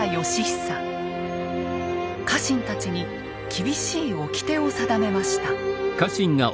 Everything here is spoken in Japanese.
家臣たちに厳しいおきてを定めました。